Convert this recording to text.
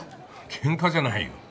ケンカじゃないよ。